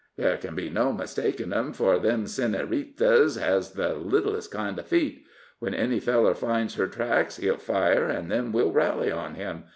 Ther can't be no mistakin' 'em, for them sennyritas hez the littlest kind o' feet. When any feller finds her tracks, he'll fire, an' then we'll rally on him.